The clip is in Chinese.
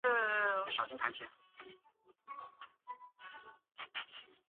叶里温车站是亚美尼亚首都叶里温的主要火车站。